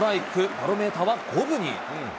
バロメーターは五分に。